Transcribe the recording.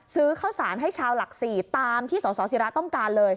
ซื้อข้าวสารให้ชาวหลัก๔ตามที่สสิระต้องการเลย